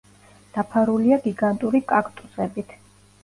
დაფარულია გიგანტური კაქტუსებით.